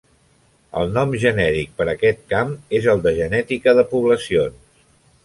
El nom genèric per a aquest camp és el de genètica de poblacions.